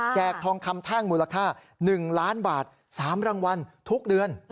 ทองคำแท่งมูลค่า๑ล้านบาท๓รางวัลทุกเดือน